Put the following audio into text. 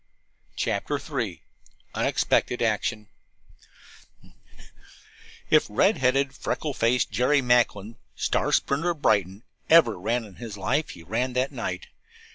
CHAPTER III UNEXPECTED ACTION If red headed, freckle faced Jerry Macklin, star sprinter of Brighton, ever ran in his life he ran that night.